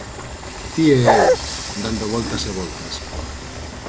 Ti e eu, dando voltas e voltas.